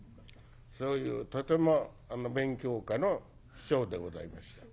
そういうとても勉強家の師匠でございました。